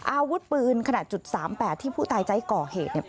อาวุธปืนขนาด๓๘ที่ผู้ตายใจก่อเหตุ